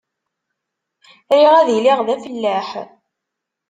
Riɣ ad iliɣ d afellaḥ.